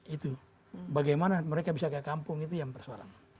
itu bagaimana mereka bisa ke kampung itu yang persoalan